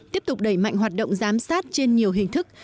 tiếp tục đẩy mạnh hoạt động giám sát trên nhiều hình thức